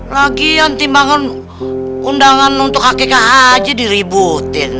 lagian timbangan undangan untuk akk aji diributin